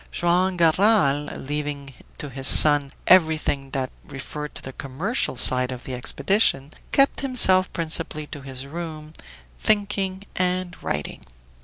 Joam Garral, leaving to his son everything that referred to the commercial side of the expedition, kept himself principally to his room, thinking and writing.